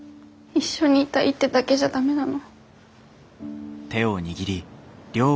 一緒にいたいってだけじゃ駄目なの？